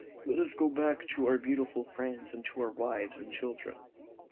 Let us go back to our beautiful France and to our wives and children."